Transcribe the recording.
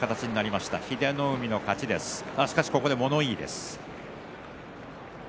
しかし、ここで物言いです。